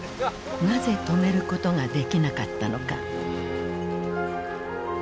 なぜ止めることができなかったのか。